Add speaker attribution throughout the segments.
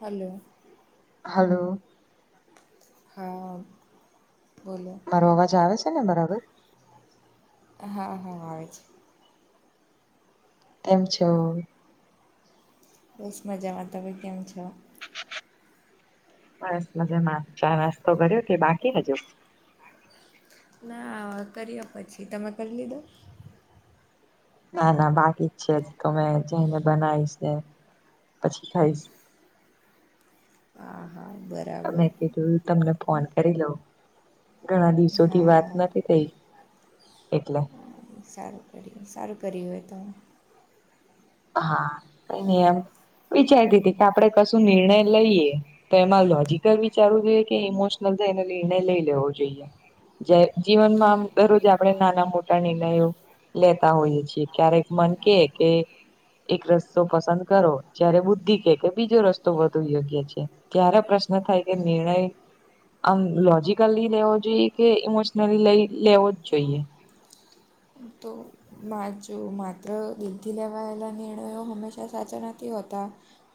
Speaker 1: Hello.
Speaker 2: Hello.
Speaker 1: હા, બોલો.
Speaker 2: મારો અવાજ આવે છે ને બરાબર?
Speaker 1: હા હા આવે છે.
Speaker 2: તેમ છો.
Speaker 1: બસ મજામાં તમે કેમ છો?
Speaker 2: બસ મજામાં ચા નાસ્તો કર્યો કે બાકી હજુ?
Speaker 1: ના કરીએ પછી તમે કર લીધો?
Speaker 2: ના ના બાકી જ છે જ તમે જઈને બનાવીશ ને પછી ખઈશ.
Speaker 1: હા, હા બરા
Speaker 2: મે કીધું તમને ફોન કરી લઉ ઘણા દિવસોથી વાત
Speaker 1: હા
Speaker 2: નથી થઈ એટલે.
Speaker 1: સારું સારું કર્યું એતો.
Speaker 2: હા કઈ નઈ એમ વિચારતી તી કે આપડે કશું નિર્ણય લઈએ. તો એમાં લોજીકલ વિચારવું જોઈએ કે ઇમોશનલ થઈ ને નિર્ણય લઈ લેવો જોઈએ. જે જીવનમાં આમ દરરોજ આપણે નાના મોટા નિર્ણયો લેતા હોઈએ છીએ ક્યારેક મન કે કે એક રસ્તો પસંદ કરો જયારે બુદ્ધિ કે કે બીજો રસ્તો વધુ યોગ્ય છે. ત્યારે પ્રશ્ન થાય કે નિર્ણય આમ લોજીકલી લેવો જોઈએ કે ઇમોશનલી લઈ લેવો જ જોઈએ.
Speaker 1: તો મા જો માત્ર દિલથી લેવાયેલા નિર્ણયો હંમેશા સાચા નથી હોતા.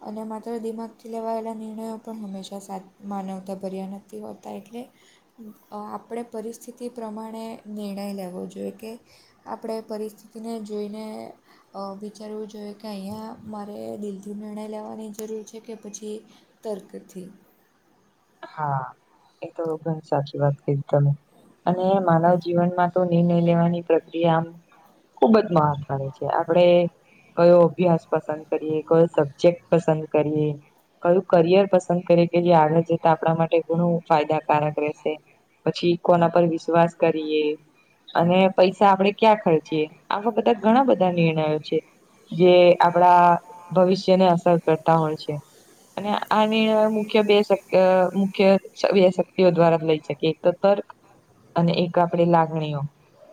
Speaker 1: અને માત્ર દિમાગથી લેવાયેલા નિર્ણયો પણ હંમેશા સા માનવતા ભર્યા નથી હોતા એટલે અ આપડે પરિસ્થિતિ પ્રમાણે નિર્ણય લેવો જોઈએ કે આપડે પરિસ્થિતિને જોઈને અ વિચારવું જોઈએ કે અહીંયા મારે દિલથી નિર્ણય લેવાની જરૂર છે કે પછી તર્ક થી.
Speaker 2: હા એ તો ઘણી સાચી વાત કરી તમે અને માનવ જીવનમાં તો નિર્ણય લેવાની પ્રક્રિયા આમ ખુબ જ મહત્વની છે આપણે કયો અભ્યાસ પસંદ કરીએ કયો સબ્જેક્ટ પસંદ કરીએ. કયું કરિયર પસંદ કરે કે જે આગળ જ તો આપણા માટે ઘણું ફાયદાકારક રહેશે પછી કોના પર વિશ્વાસ કરીએ. અને પૈસા આપડે ક્યાં ખર્ચીએ આવા બધા ઘણા બધા નિર્ણયો છે. જે આપડા ભવિષ્યને અસર કરતા હોય છે. અને આની મુખ્ય બે શક કે મુખ્ય બે શક્તિઓ દ્વારા લઈ શકી એક તો તર્ક અને એક આપડી લાગણીઓ.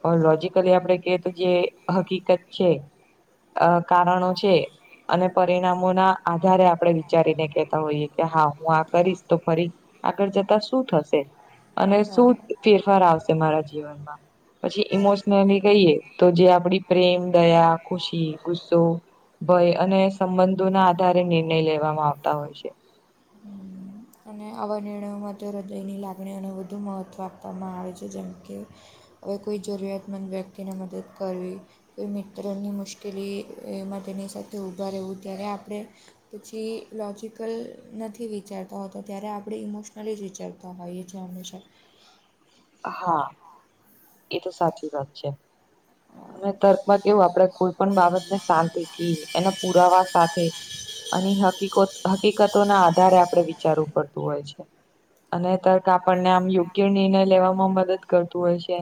Speaker 2: પણ લોજીકલી આપડે કે તો કે હકીકત છે. અ કારણો છે. અને પરિણામો ના આધારે આપણે વિચારીને કેતા હોઈએ કે હા હું આ કરીશ તો ફરી આગળ જતા શું થશે અને શું ફેરફાર આવશે મારા જીવનમાં. પછી ઈમોશનલી કહીએ તો જે આપડી પ્રેમ દયા ખુશી ગુસ્સો ભય અને સંબંધોના આધારે નિર્ણય લેવામાં આવતા હોય છે.
Speaker 1: અને આવા નિર્ણયોમાં તે હૃદયની લાગણીઓને વધુ મહત્ત્વ આપવામાં આવે છે જેમ કે અવે કોઈ જરૂરિયાતમંદ વ્યક્તિને મદદ કરવી. કોઈ મિત્રની મુશ્કેલી એમાં તેની સાથે ઊભા રહેવું ત્યારે આપણે પછી લોજિકલ નથી વિચારતા હો તો ત્યારે આપણે ઇમોશનલી જ વિચરતા હોઈએ છે હંમેશા
Speaker 2: હા એ તો સાચી વાત છે. અને તર્ક માં કેવું આપણે કોઈ પણ બાબતને શાંતિથી એના પુરાવા સાથે અને હકી હકીકતોના આધારે આપણે વિચારવું પડતું હોય છે. અને તર્ક આપણને આમ યોગ્ય નિર્ણય લેવામાં મદદ કરતું હોય છે.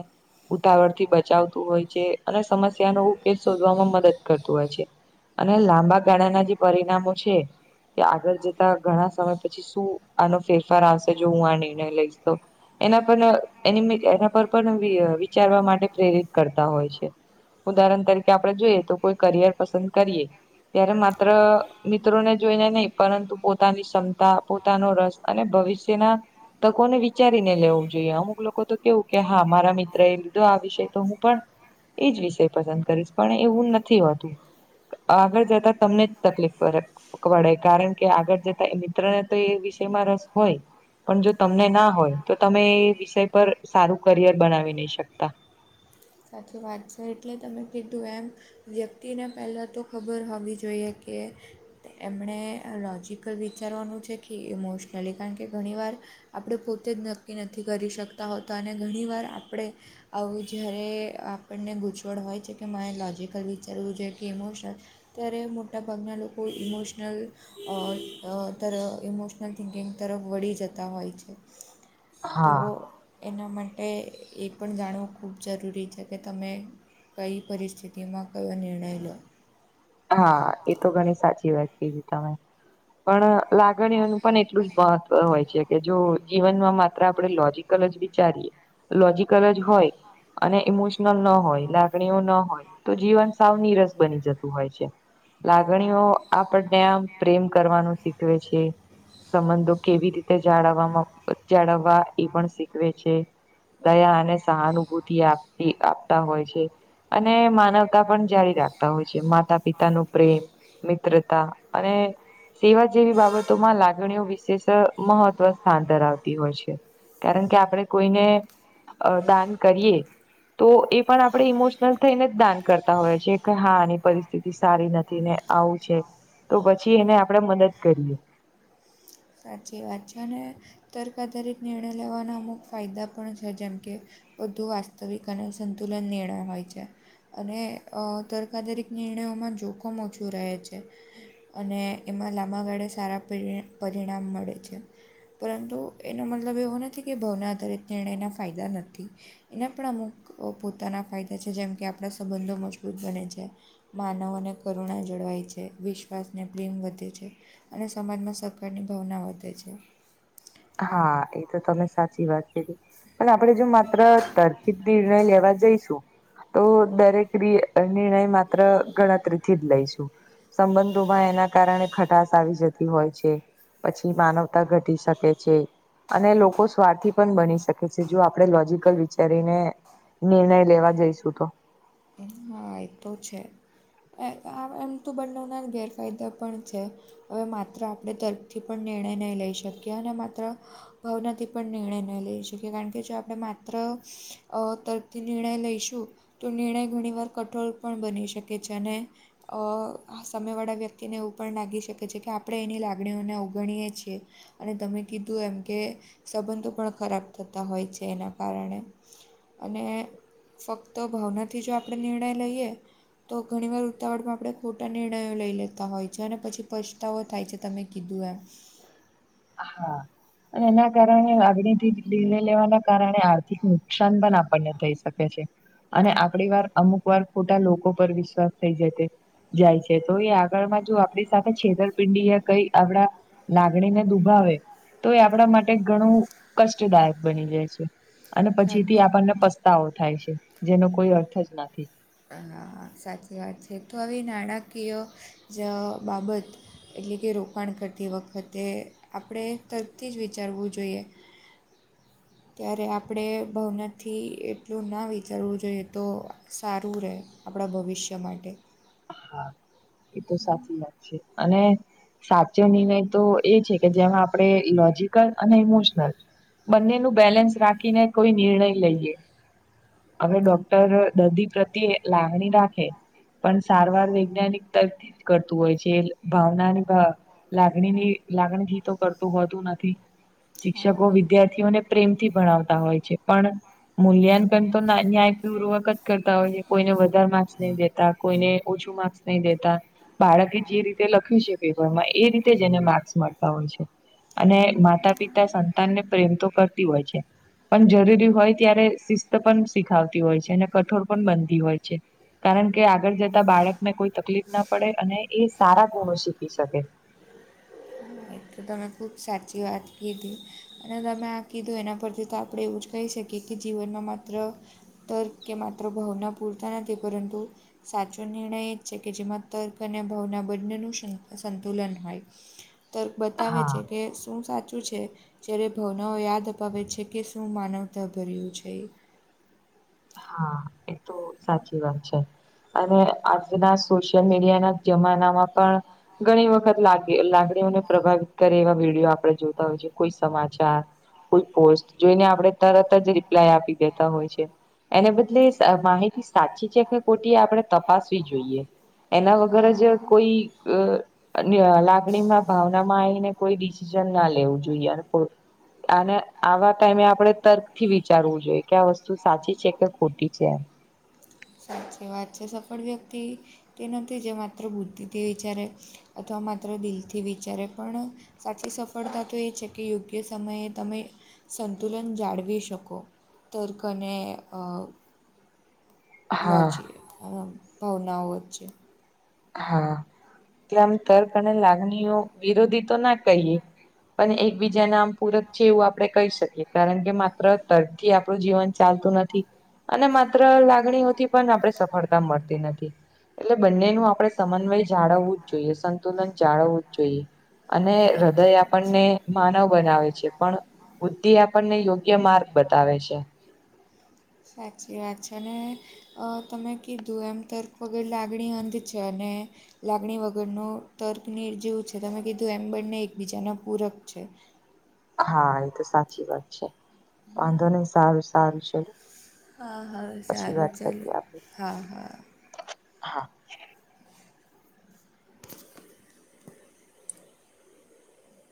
Speaker 2: ઉતાવળ થી બચાવતું હોય છે અને સમસ્યાનું ઉકેલ શોધવામાં મદદ કરતું હોય છે. અને લાંબા ગાળાના જે પરિણામો છે કે આગળ જતા ઘણા સમય પછી શું આનો ફેરફાર આવશે જો હું આ નિર્ણય લઈશ તો એના પર એની એના પર પણ વિચારવા માટે પ્રેરિત કરતા હોય છે. ઉદાહરણ તરીકે આપડે જોઈએ તો કોઈ કરિયર પસંદ કરીએ. ત્યારે માત્ર મિત્રોને જોઈને નહી પરંતુ પોતાની ક્ષમતા પોતાનો રસ અને ભવિષ્યના તકોને વિચારીને લેવું જોઈએ અમુક લોકો લોકો તો કેવું કે હા મારા મિત્ર એ લીધો આ વિષય તો હું પણ એજ વિષય પસંદ કરીશ પણ એવું નથી હોતું આગળ જતા તમને જ તકલીફ પડે પકવાડાય કારણ કે આગળ જતા એ મિત્રને તો એ વિષયમાં રસ હોય પણ જો તમને ના હોય તો તમે એ વિષય પર સારું કરિયર બનાવી નહી શકતા
Speaker 1: સાચી વાત છે એટલે તમે કીધું એમ વ્યક્તિને પહેલા તો ખબર હોવી જોઈએ કે એમણે લોજીકલ વિચારવાનું છે કે ઇમોશનલી કારણ કે ઘણીવાર આપણે પોતે જ નક્કી નથી કરી શકતા હોતા અને ઘણી વાર આપણે આવું જ્યારે એ આપણને ગૂંચવડ હોય છે કે મારે લોજિકલ વિચારવું જોઈ કે ઇમોશનસ ત્યારે મોટાભાગના લોકો ઇમોશનલ અ અ તર ઇમોશનલ થિંકિંગ તરફ વળી જતા હોય છે. તો
Speaker 2: હા
Speaker 1: એના માટે એ પણ જાણવું ખૂબ જરૂરી છે કે તમે કઈ પરિસ્થિતિમાં કયો નિર્ણય લો
Speaker 2: હા એ તો ઘણી સાચી વાત કીધી તમે પણ લાગણીઓનું પણ એટલું જ મહત્વ હોય છે કે જો જીવનમાં માત્ર આપણે લોજિક લોજીકલ જ વિચારીએ લોજીકલ જ હોય અને ઈમોશનલ ના હોય લાગણીઓ ન હોય તો જીવન સાવનીરસ બની જતું હોય છે
Speaker 1: હા,
Speaker 2: લાગણીઓ આપણને આ પ્રેમ કરવાનું શીખવે છે સંબંધો કેવી રીતે જાળવવા જાળવવા એ પણ શીખવે છે. દયા અને સહાનુભૂતિ આપતી આપતા હોય છે અને માનવતા પણ જારી રાખતા હોય છે. છે માતા પિતા નુ પ્રેમ મિત્રતા અને સેવા જેવી બાબતો માં લાગણીઓ વિશેષ મહત્વ સ્થાન ધરાવતી હોય છે. કારણ કે આપણેે કોઈને અ દાન કરીએ તો એ પણ આપણેે ઇમોશનલ થઈને જ દાન કરતા હોય છે એ કે હા પરિસ્થિતિ સારી નથી ને આવું છે તો પછી એને આપડે મદદ કરીએ.
Speaker 1: સાચી વાત છે અને તર્ક આધારિત નિર્ણય લેવાના અમુક ફાયદા પણ છે જેમ કે વધુ વાસ્તવિક અને સંતુલન નિર્ણય હોય છે. અને તરકાદરીક નિર્ણયોમાં જોખમ ઓછું રહે છે અને એમાં લાંબા ગાળે સારા પરી પરિણામ મળે છે. પરંતુ એનો મતલબ એવો નથી કે ભાવના આધારિત નિર્ણયના ફાયદા નથી એના પણ અમુક પોતાના ફાયદા છે જેમ કે આપણા સંબંધો મજબૂત બને છે. માનવોને કરુણા જળવાય છે વિશ્વાસ ને પ્રેમ વધે છે. અને સમાજમાં સહકાર ની ભાવના વધે છે
Speaker 2: હા એ તો તમે સાચી વાત કીધી પણ આપણેે જો માત્ર તરકી જ નિર્ણય લેવા જઈશું તો દરેક નિ નિર્ણય માત્ર ગણતરી થી જ લઈશું સંબંધોમાં એના કારણે ખટાસ આવી જતી હોય છે પછી માનવતા ઘટી શકે છે. અને લોકો સ્વાર્થી પણ બની શકે છે જો આપણે લોજકલ વિચારીને નિર્ણય લેવા જઈશું તો
Speaker 1: [unintelligible] તો છે આ એમ તો બનાવનાર ગેરફાયદા પણ છે હવે માત્ર આપણે તરફથી પણ નિર્ણય નહી લઈ શકીએ અને માત્ર ભાવનાથી પણ નિર્ણય ન લઈ શકીએ કારણ કે જો આપણે માત્ર તરફથી નિર્ણય લઈશું તો નિર્ણય ઘણી વાર કઠોર પણ બની શકે છે અને સમયવાળા વ્યક્તિને એવું પણ લાગી શકે છે કે આપણે એની લાગણીઓને અવગણીએ છીએ અને તમે કીધું એમ કે સંબંધો પણ ખરાબ થતા હોય છે એના કારણે અને ફક્ત ભાવનાથી જો આપણે નિર્ણય લઈએ તો ઘણીવાર ઉતાવળમાં આપણે ખોટા નિર્ણયો લઈ લેતા હોય છે અને પછી પછ્તાવો થાય છે તમે કીધું એમ
Speaker 2: હા અને એના કારણે લાગણીથી નિર્ણય લેવાના કારણે આર્થિક નુકસાન પણ આપણને થઈ શકે છે અને આપડી વાર અમુક વાર ખોટા લોકો પર વિશ્વાસ થઈ જશે જાય છે તો એ આગળ માં જો આપણી સાથે છેતરપિંડી કઈ આપડા લાગણીને દુ ભાવે તો એ આપણા માટે ઘણું કષ્ટદાયક બની જાય છે અને પછી થી આપણને પસ્તાવો થાય છે જેનો કોઈ અર્થ જ નથી
Speaker 1: હા હા સાચી વાત છે તો આવી નાણાકીય જ બાબત એટલે કે રોકાણ કરતી વખતે આપણે તરથી જ વિચારવું જોઈએ
Speaker 2: હ
Speaker 1: ત્યારે આપણે ભવનાથી એટલું ના વિચારવું જોઈએ તો સારું રહે આપણા ભવિષ્ય માટે
Speaker 2: હા એ તો સાચી વાત છે અને સાચો નિર્ણય તો એ છે કે જેમાં આપણે લોજકલ અને ઇમોશનલ બંને ન બેલેન્સ રાખીને કોઈ નિર્ણય લઈએ હવે ડોક્ટર દર્દી પ્રત્યે લાગણી રાખે પણ સારવાર વૈજ્ઞાનિક તરથી જ કરતું હોય છે ભાવનાને લાગણીની લાગણીથીતો કરતું હોતું નથી
Speaker 1: હા
Speaker 2: શિક્ષકો વિદ્યાર્થીઓને પ્રેમથી ભણાવતા હોય છે પણ મૂલ્યાંકન તો ન્યાયપીવૂર્વક જ કરતા હોય છે કોઈને વધારે માસ નહી લેતા ઓછું માર્ક્સ નહી દેતા બાળકે જે રીતે લખ્યું છે પેપરમાં એ રીતે જ એને માર્ક્સ મળતા હોય છે અને માતા પિતા સંતાન ને પ્રેમ તો કરતી હોય છે પણ જરૂરી હોય ત્યારે શિસ્ત પણ શીખાવતી હોય છે અને કઠોર પણ બનતી હોય છે કારણ કે આગળ જતા બાળકને કોઈ તકલીફ ના પડે અને એ સારા ગુણો શીખી શકે
Speaker 1: તો તમે ખૂબ સાચી વાત કીધી અને તમે આ કીધું એના પરથી તો આપણે એવું જ કહી શકીએ કે કે જીવનમાં માત્ર તર્ક કે માત્ર ભાવના પૂરતા નથી પરંતુ સાચો નિર્ણય એ જ છે કે જેમાં તર્ક અને ભાવના બંને નું સંતુલન હોય તર્ક બતાવે
Speaker 2: હા
Speaker 1: છે કે શું સાચું છે જ્યારે ભાવનાઓ યાદ અપાવે છે કે શું માનવતા ભર્યું છે
Speaker 2: હા એ તો સાચી વાત છે અને આજના સોશિયલ મીડિયા ના જમાનામાં પણ ઘણી વખત લાગે લાગણીઓને પ્રભાવિત કરે એવા વિડીયો આપણે જોતા હોય છેએ કોઈ સમાચાર ફુલ પોસ્ટ જોઈને આપણે તરત જ રિપ્લાય આપી દેતા હોય છે એને બદલે માહિતી સાચી છે કે કોટી આપણે તપાસવી જોઈએ એના વગર જ
Speaker 1: હા
Speaker 2: કોઈ અ લાગણીમાં ભાવનામાં આવીને કોઈ ડિસિઝન ના લેવું જોઈએ અને અને આવા ટાઈમે આપણેે તર્ક થી વિચારવું જોઈએ કે આ વસ્તુ સાચી છે કે ખોટી છે એમ
Speaker 1: સાચી વાત છે સફળ વ્યક્તિ તે નથી જે માત્ર બુદ્ધિથી વિચારે અથવા માત્ર દિલથી વિચારે પણ સાચી સફળતા તો એ છે કે યોગ્ય સમયે તમે સંતુલન જાળવી શકો તખને
Speaker 2: હા
Speaker 1: લોજી ભાવનાઓ વ્ છે
Speaker 2: હા કે આમ તર્પણે લાગણીઓ વિરોધી તો ના કહીએ પણ એકબીજા નામ પૂરક છે એવું આપડણે કહી શકીએ કારણ કે માત્ર ત થી આપણું જીવન ચાલતું નથી અને માત્ર લાગણીઓથી પણ આપણે સફળતા મળતી નથી એટલે બંનેનું આપણે સમન્વય જાળવવું જ જોઈએ સંતુલન જાળવવું જ જોઈએ અને હૃદય
Speaker 1: સાચી વાત છે
Speaker 2: આપણને માનવ બનાવે છે પણ બુદ્ધિ આપણને યોગ્ય માર્ગ બતાવે છે
Speaker 1: સાક્ષી વાાગ છેને અ તમે કીધું એમ તર્ક વગર લાગણી અંધ છે અને લાગણી વગરનો તર્કનીર જેવું છે તમે કીધું એમ બંને એકબીજાનો પૂરક છે
Speaker 2: હા એ તો સાચી વાત છે વાંધો નહી સારું સારું છે
Speaker 1: હા હા સારું ચલ હા હા
Speaker 2: હા